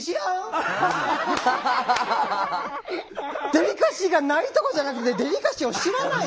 デリカシーがないとかじゃなくてデリカシーを知らない？